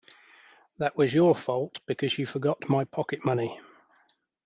That was your fault, because you forgot my pocket-money.